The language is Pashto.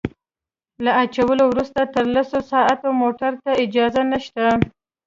له اچولو وروسته تر لسو ساعتونو موټرو ته اجازه نشته